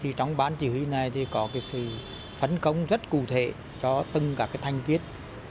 thì trong bán chỉ huy này thì có cái sự phấn công rất cụ thể cho tất cả cái thanh viết